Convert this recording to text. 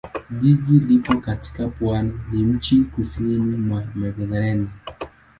Jiji lipo katika pwani ya mjini kusini mwa Mediteranea.